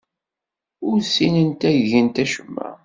Ur ssinent ad gent acemma.